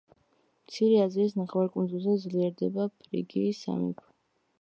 მცირე აზიის ნახევარკუნძულზე ძლიერდება ფრიგიის სამეფო.